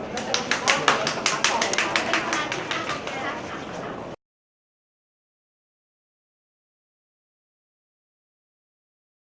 โปรดติดตามตอนต่อไป